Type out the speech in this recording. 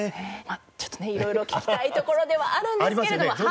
ちょっと色々聞きたいところではあるんですけれども。